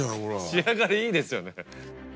仕上がりいいですよね。